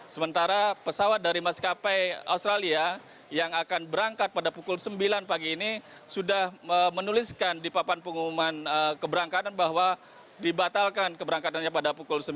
sementara pesawat dari maskapai australia yang akan berangkat pada pukul sembilan pagi ini sudah menuliskan di papan pengumuman keberangkatan bahwa dibatalkan keberangkatannya pada pukul sembilan